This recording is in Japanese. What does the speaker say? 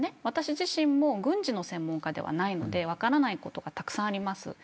私自身も軍事の専門家ではないので分からないことがたくさんあります。